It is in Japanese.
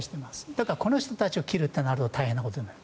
だからこの人たちを切ると大変なことになる。